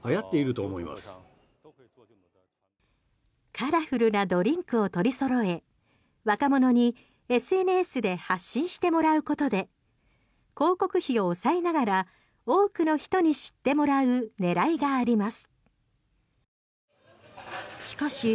カラフルなドリンクを取りそろえ若者にＳＮＳで発信してもらうことで広告費を抑えながら多くの人に知ってもらう狙いがあります。